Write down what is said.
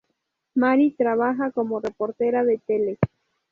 Mary trabaja como reportera de tele.